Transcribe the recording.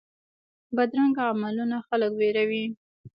بدرنګه عملونه خلک ویروي